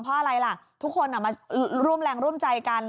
เพราะอะไรล่ะทุกคนมาร่วมแรงร่วมใจกัน